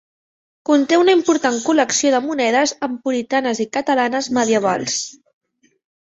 Conté una important col·lecció de monedes emporitanes i catalanes medievals.